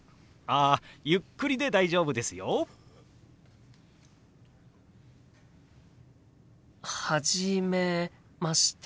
あゆっくりで大丈夫ですよ。初めまして。